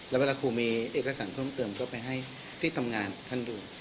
แล้วเวลาครูมีเอกสารเพิ่มเติมก็ไปให้ที่ทำงานท่านดู